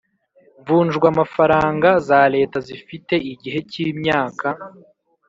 mvunjwamafaranga za Leta zifite igihe cy imyaka